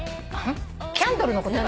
キャンドルのことかな？